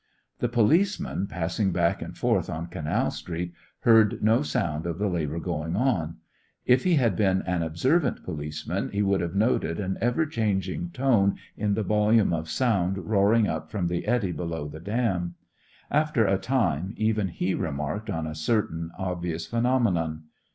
The policeman, passing back and forth on Canal Street, heard no sound of the labour going on. If he had been an observant policeman, he would have noted an ever changing tone in the volume of sound roaring up from the eddy below the dam. After a time even he remarked on a certain obvious phenomenon.